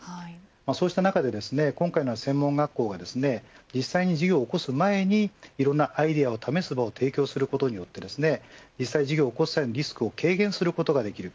そうした中で今回の専門学校が実際に事業を起こす前にいろいろな事業を試す場を提供することによってリスクを軽減することができる。